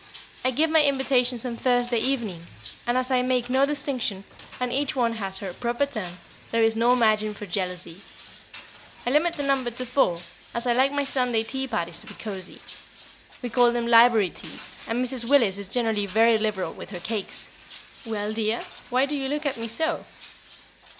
I give my invitations on Thursday evening; and as I make no distinction, and each one has her proper turn, there is no margin for jealousy. I limit the number to four, as I like my Sunday tea parties to be cosy. We call them library teas, and Mrs. Willis is generally very liberal with her cakes. Well, dear, why do you look at me so?"